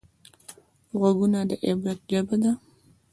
غوږونه د عبرت ژبه ده